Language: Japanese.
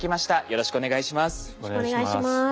よろしくお願いします。